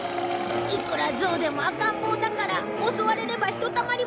いくらゾウでも赤ん坊だから襲われればひとたまりもないぞ！